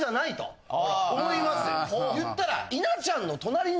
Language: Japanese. いったら。